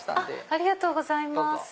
ありがとうございます。